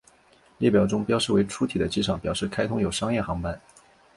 列表中标示为粗体的机场表示开通有商业航班。